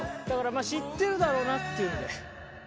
だからまあ知ってるだろうなっていうので。